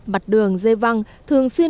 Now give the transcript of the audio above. mặt đường dây văng thường xuyên